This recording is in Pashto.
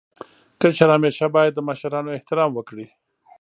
کشر همېشه باید د مشرانو احترام وکړي.